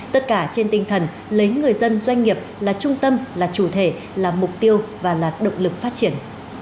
tất cả trên tinh thần lấy người dân doanh nghiệp là trung tâm là chủ thể là mục tiêu và là động lực phát triển